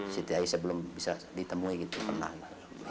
siti aisyah belum bisa ditemui gitu pernah